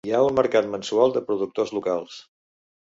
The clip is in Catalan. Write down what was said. Hi ha un mercat mensual de productors locals.